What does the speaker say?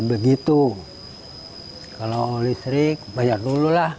biasa udah begitu kalau listrik bayar dulu lah